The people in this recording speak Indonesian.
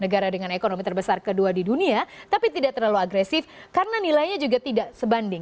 negara dengan ekonomi terbesar kedua di dunia tapi tidak terlalu agresif karena nilainya juga tidak sebanding